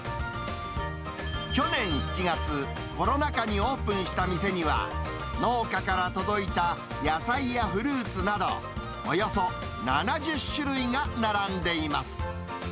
去年７月、コロナ禍にオープンした店には、農家から届いた野菜やフルーツなど、およそ７０種類が並んでいます。